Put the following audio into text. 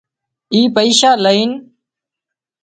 اي پئيشا لئينَ